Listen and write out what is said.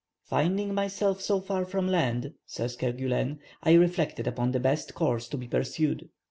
"Finding myself so far from land," says Kerguelen, "I reflected upon the best course to be pursued.